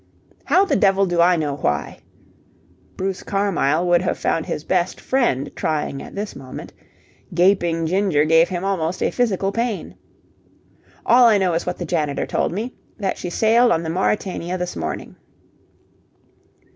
"How the devil do I know why?" Bruce Carmyle would have found his best friend trying at this moment. Gaping Ginger gave him almost a physical pain. "All I know is what the janitor told me, that she sailed on the Mauretania this morning."